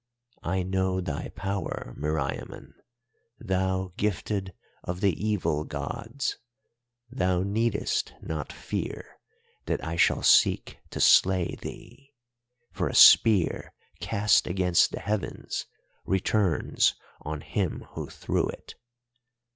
I know thy power, Meriamun, thou gifted of the evil Gods; thou needest not fear that I shall seek to slay thee, for a spear cast against the heavens returns on him who threw it.